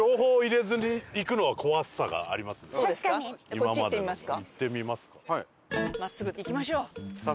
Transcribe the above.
こっち行ってみますか。